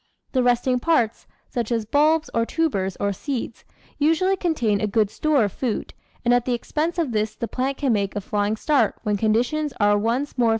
The resting parts, such as bulbs or tubers or seeds, usually contain a good store of food, and at the expense of this the plant can make a flying start when conditions are once Photo: J.